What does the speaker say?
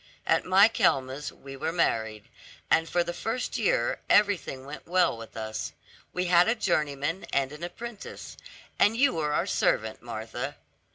At Michaelmas we were married, and for the first year everything went well with us. We had a journeyman and an apprentice, and you were our servant, Martha."